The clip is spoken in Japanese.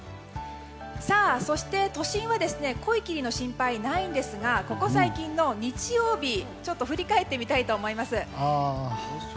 そして都心は濃い霧の心配はないんですがここ最近の日曜日を振り返ってみたいと思います。